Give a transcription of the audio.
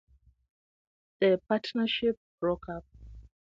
The partnership broke up.